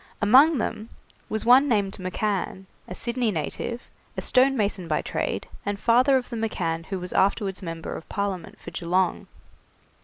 Among them was one named McCann, a Sydney native, a stonemason by trade, and father of the McCann who was afterwards member of Parliament for Geelong.